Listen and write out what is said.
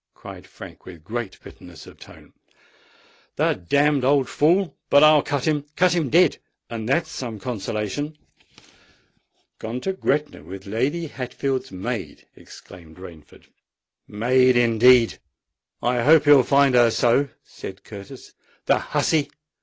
cried Frank, with great bitterness of tone. "The damned old fool!—but I'll cut him—cut him dead—and that's some consolation." "Gone to Gretna with Lady Hatfield's maid!" exclaimed Rainford. "Maid, indeed! I hope he'll find her so!" said Curtis. "The hussey!